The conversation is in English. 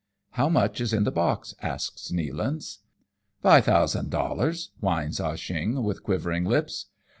" How much is in the box ?" asks Nealance. "Fi' thousand dollars," whines Ah Oheong with quivering lips.